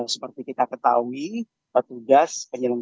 seperti kita ketahui petugas penyelenggara